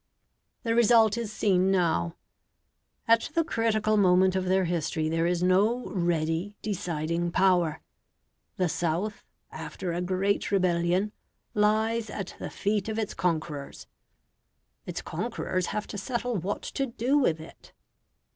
The result is seen now. At the critical moment of their history there is no ready, deciding power. The South, after a great rebellion, lies at the feet of its conquerors: its conquerors have to settle what to do with it.